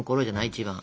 一番。